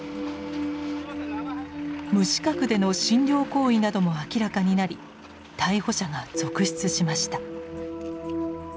無資格での診療行為なども明らかになり逮捕者が続出しました。